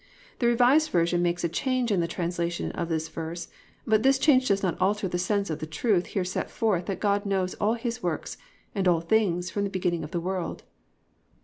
"+ The Revised Version makes a change in the translation of this verse but this change does not alter the sense of the truth here set forth that God knows all His works and all things from the beginning of the world.